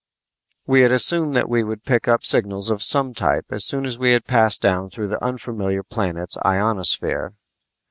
We had assumed that we would pick up signals of some type as soon as we had passed down through the unfamiliar planet's ionosphere.